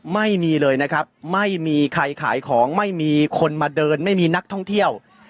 ไม่มีเลยนะครับไม่มีใครขายของไม่มีคนมาเดินไม่มีนักท่องเที่ยว